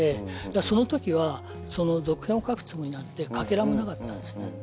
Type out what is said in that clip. そのときは続編を書くつもりなんてかけらもなかったんですね。